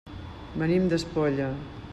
Venim d'Espolla.